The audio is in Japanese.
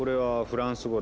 フランス語？